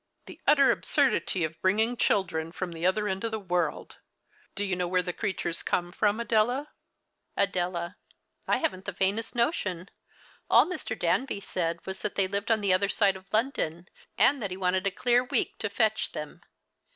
The utter absurdity of bringing children from the other end of the world ! Do you know where the creatures come from, Adela ? The Christmas Hirelings. Adela. I haven't the faintest notion. All Mr, Danby said was that they lived on the other side of London, and that he wanted a clear week to fetch them.